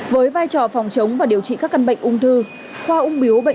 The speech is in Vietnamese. với vai trò phòng chống và điều trị các căn bệnh ung thư